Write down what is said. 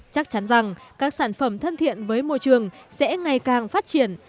chắc chắn rằng các sản phẩm thân thiện với môi trường sẽ ngày càng phát triển